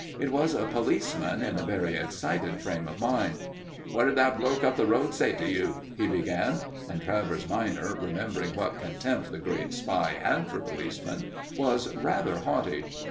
It was a policeman in a very excited frame of mind. "What did that bloke up the road say to you?" he began; and Travers minor, remembering what contempt the great spy had for policemen, was rather haughty.